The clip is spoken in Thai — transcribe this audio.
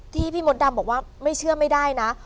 ที่พี่มดดำบอกว่าไม่เชื่อไม่ได้นะ